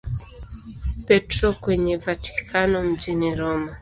Petro kwenye Vatikano mjini Roma.